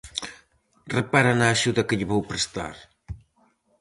Repara na axuda que lle vou prestar.